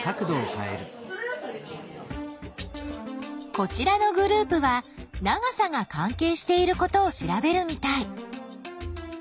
こちらのグループは長さが関係していることを調べるみたい。